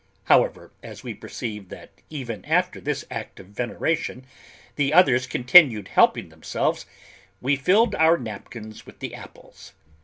However, as we perceived that even after this act of veneration, the others continued helping themselves, we filled our napkins with the apples.